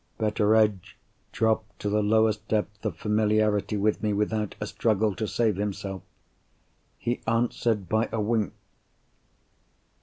Betteredge dropped to the lowest depth of familiarity with me, without a struggle to save himself. He answered by a wink!